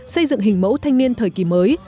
xây dựng hình mẫu thanh niên thời kỳ mới